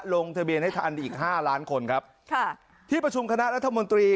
ลงทะเบียนให้ทันอีกห้าล้านคนครับค่ะที่ประชุมคณะรัฐมนตรี